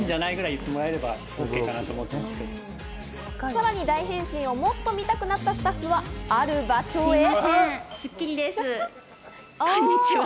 さらに大変身をもっと見たくなったスタッフはある場所へ。